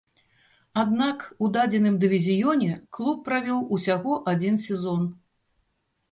Аднак, у дадзеным дывізіёне клуб правёў усяго адзін сезон.